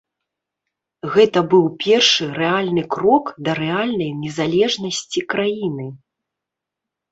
Гэта быў першы рэальны крок да рэальнай незалежнасці краіны.